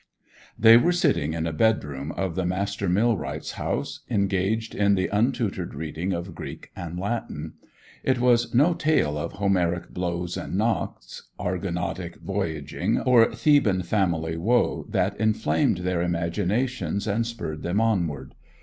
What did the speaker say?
They were sitting in a bedroom of the master millwright's house, engaged in the untutored reading of Greek and Latin. It was no tale of Homeric blows and knocks, Argonautic voyaging, or Theban family woe that inflamed their imaginations and spurred them onward.